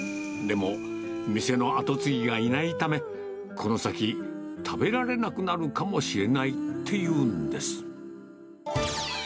でも、店の後継ぎがいないため、この先、食べられなくなるかもしれないっていうんです。